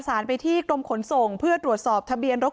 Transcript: ซ่าบชื่อแล้ว